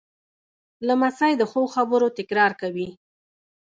لمسی د ښو خبرو تکرار کوي.